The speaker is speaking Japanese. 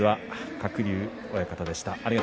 鶴竜親方でした。